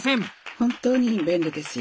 本当に便利ですよ。